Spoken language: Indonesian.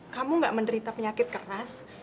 kamu gak menderita penyakit keras